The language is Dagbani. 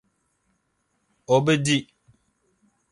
O bi di.